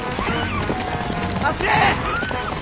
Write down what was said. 走れ！